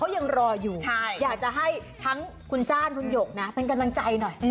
ยังรออยู่อยากจะให้ทั้งคุณจ้านคุณหยกนะเป็นกำลังใจหน่อย